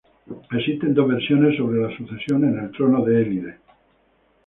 Existen dos versiones sobre la sucesión en el trono de Élide.